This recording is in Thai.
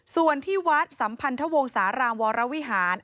ส่วนที่วัดสัมพันธวงศาลามวรวิหาร